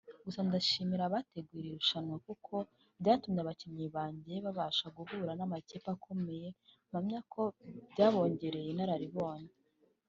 Gusa ndashimira abateguye iri rushanwa kuko ryatumye abakinnyi banjye babasha guhura n’amakipe akomeye mpamya ko byabongereye inararibonye”